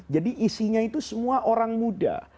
jadi isinya itu semua orang muda